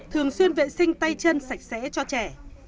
thường xuyên vệ sinh tay chân sạch sẽ cho trẻ